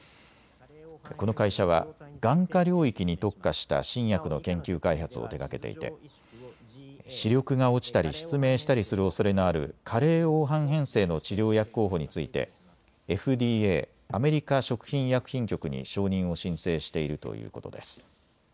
この会社は眼科領域に特化した新薬の研究開発を手がけていて視力が落ちたり失明したりするおそれのある加齢黄斑変性の治療薬候補についてＦＤＡ・アメリカ食品医薬品局に承認を申請しているということです。